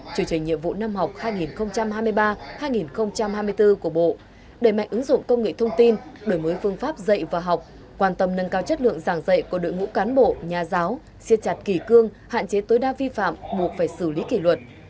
chủ trình nhiệm vụ năm học hai nghìn hai mươi ba hai nghìn hai mươi bốn của bộ đề mạnh ứng dụng công nghệ thông tin đổi mới phương pháp dạy và học quan tâm nâng cao chất lượng giảng dạy của đội ngũ cán bộ nhà giáo siết chặt kỳ cương hạn chế tối đa vi phạm buộc phải xử lý kỷ luật